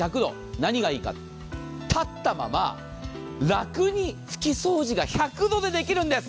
何がいいか、立ったまま楽に拭き掃除が１００度でできるんです。